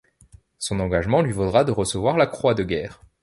Son engagement lui vaudra de recevoir la croix de guerre.